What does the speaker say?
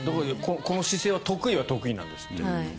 この姿勢は得意は得意なんですって。